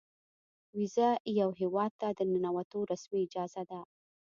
ویزه یو هیواد ته د ننوتو رسمي اجازه ده.